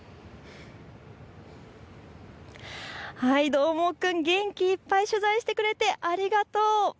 どーもくん、元気いっぱい取材してくれてありがとう。